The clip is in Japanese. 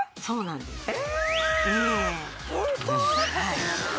そうなんです。